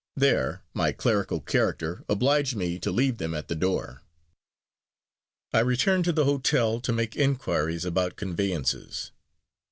There, my clerical character obliged me to leave them at the door. I returned to the hotel, to make inquiries about conveyances.